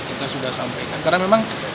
kita sudah sampaikan